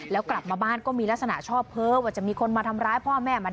แล้วกลับมาบ้านก็มีลักษณะชอบเพ้อว่าจะมีคนมาทำร้ายพ่อแม่มัน